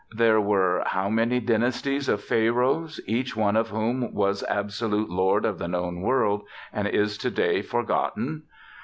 There were how many dynasties of Pharaohs, each one of whom was absolute lord of the known world, and is to day forgotten?